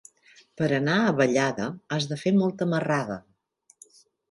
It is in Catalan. Per anar a Vallada has de fer molta marrada.